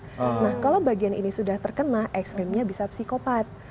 nah kalau bagian ini sudah terkena ekstrimnya bisa psikopat